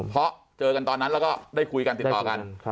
เพราะเจอกันตอนนั้นแล้วก็ได้คุยกันติดต่อกัน